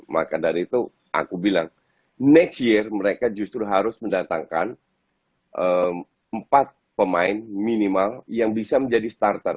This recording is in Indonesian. maka dari itu aku bilang net year mereka justru harus mendatangkan empat pemain minimal yang bisa menjadi starter